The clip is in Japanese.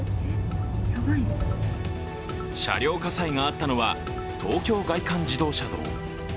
車両火災があったのは東京外環自動車道。